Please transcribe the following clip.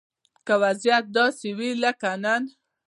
که وضيعت داسې وي لکه نن